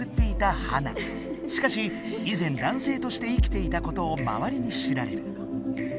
しかしいぜんだんせいとして生きていたことをまわりに知られる。